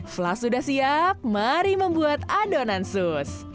flash sudah siap mari membuat adonan sus